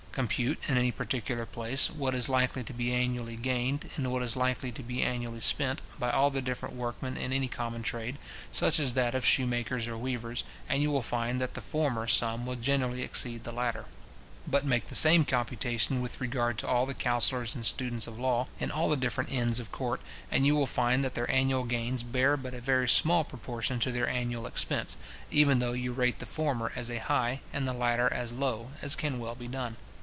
Compute, in any particular place, what is likely to be annually gained, and what is likely to be annually spent, by all the different workmen in any common trade, such as that of shoemakers or weavers, and you will find that the former sum will generally exceed the latter. But make the same computation with regard to all the counsellors and students of law, in all the different Inns of Court, and you will find that their annual gains bear but a very small proportion to their annual expense, even though you rate the former as high, and the latter as low, as can well be done.